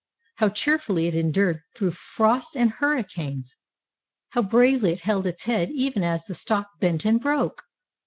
How cheerfully it endured through frosts and hurricanes ! How bravely it held its head even as the stalk bent and broke!